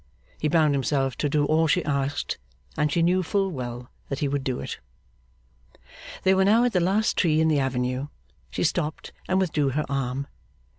He bound himself to do all she asked, and she knew full well that he would do it. They were now at the last tree in the avenue. She stopped, and withdrew her arm.